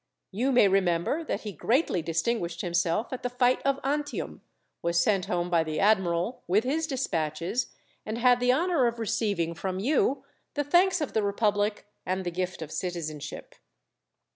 "You may remember that he greatly distinguished himself at the fight of Antium, was sent home by the admiral with his despatches, and had the honour of receiving, from you, the thanks of the republic and the gift of citizenship."